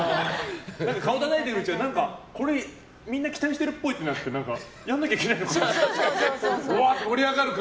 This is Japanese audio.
顔たたいてるうちはこれみんな期待してるっぽいってなってやんなきゃいけないのかなって。